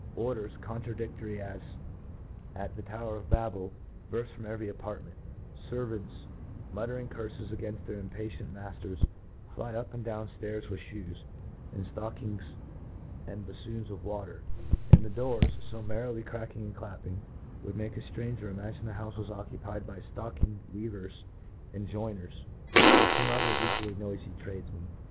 Orders, contradiAory as at * the INTRO DUCTION. 115 die Tower of Bable, burft from every apartment— fcrViants, muttering curfes againft their impatient mafters, fly up and down ftairs with flioes, and ftockings, and bafons of water r — and the doors^ fo merrily cracking and clapping, would make a ftratiger imagine the houfe'was occupied by ftocking weavers* and joiners, or fome other e qually noify tradefmen.